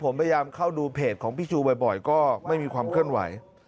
ผมพยายามเข้าดูเพจของพี่ชูบ่อยก็ไม่มีความเคลื่อนไหว